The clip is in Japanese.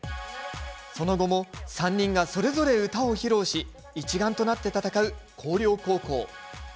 その後も３人がそれぞれ歌を披露し一丸となって戦う光陵高校。